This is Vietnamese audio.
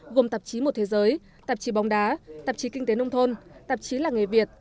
gồm tạp chí một thế giới tạp chí bóng đá tạp chí kinh tế nông thôn tạp chí làng nghề việt